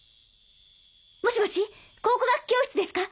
もしもし考古学教室ですか？